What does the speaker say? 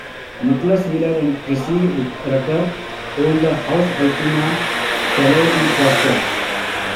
Nicholas Wheeler and Chrissie Rucker own the Haus Alpina chalet in Klosters.